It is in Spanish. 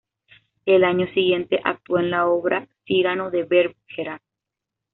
El año siguiente actuó en la obra "Cyrano de Bergerac".